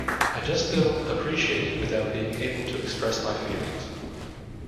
I just do appreciate it without being able to express my feelings.